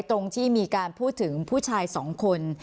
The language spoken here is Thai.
ตรงที่มีการพูดถึงผู้ชายสองคน